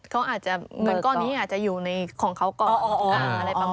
เขาอาจจะเงินก้อนี้อาจจะอยู่ในของเขาก่อน